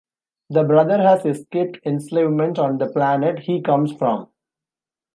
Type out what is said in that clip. The Brother has escaped enslavement on the planet he comes from.